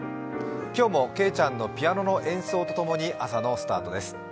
今日もけいちゃんのピアノの演奏とともに朝のスタートです。